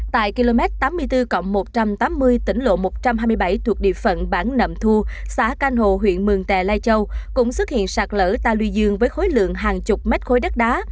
tại km tám mươi bốn cộng một trăm tám mươi tỉnh lộ một trăm hai mươi bảy thuộc địa phận bảng nậm thu xã canh hồ huyện mường tè lai châu cũng xuất hiện sạt lở tà lùi dương với khối lượng hàng chục mét khối đất đá